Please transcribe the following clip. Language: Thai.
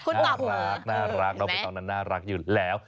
น่ารักน่ารักน่ารักอยู่แล้ว